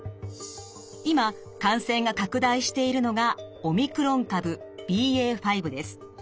今感染が拡大しているのがオミクロン株ＢＡ．５です。